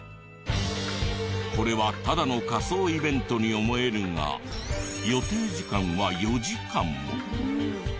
これはただの仮装イベントに思えるが予定時間は４時間も。